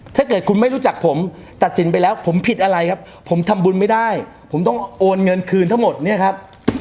ถ้าเกิดคุณไม่รู้จักผมตัดสินไปแล้วผมผิดอะไรครับผมทำบุญไม่ได้ผมต้องโอนเงินคืนทั้งหมดเนี่ยครับ